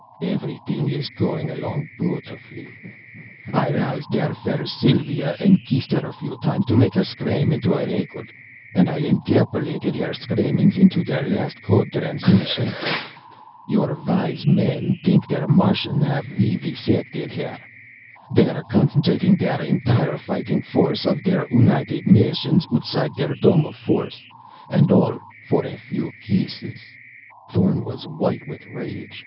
Everything is going along beautifully. I roused der fair Sylva and kissed her a few times to make her scream into a record, and I interpolated her screamings into der last code transmission. Your wise men think der Martians haff vivisected her. They are concentrating der entire fighting force of der United Nations outside der dome of force. And all for a few kisses!" Thorn was white with rage.